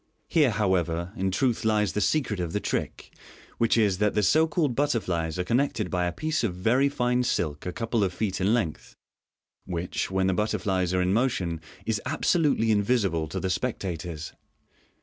Here, however, in truth lies the secret of the trick, which is, that the so called butterflies are connected by a piece of rery fine silk a couple of feet in length, which, when the butterflies are in motion, is absolutely invisible to the spectators.